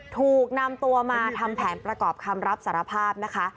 ถูกนำตัวมาทำแผนประกอบคำรับสารภาพนะคะ